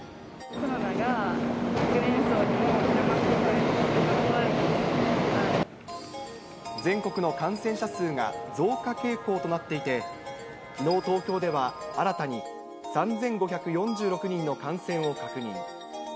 コロナが若年層にも広まって全国の感染者数が増加傾向となっていて、きのう東京では新たに３５４６人の感染を確認。